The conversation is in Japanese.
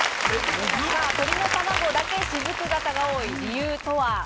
鳥の卵だけ、しずく型が多い理由とは？